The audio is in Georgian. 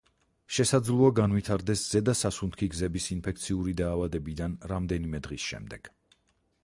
შესაძლოა განვითარდეს ზედა სასუნთქი გზების ინფექციური დაავადებიდან რამდენიმე დღის შემდეგ.